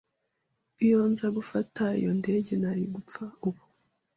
Iyo nza gufata iyo ndege, nari gupfa ubu.